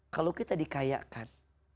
kalau kita dikayakan